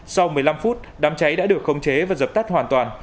sau một mươi năm phút đám cháy đã được khống chế và dập tắt hoàn toàn